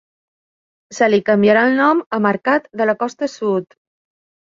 Se li canviarà el nom a Mercat de la Costa Sud.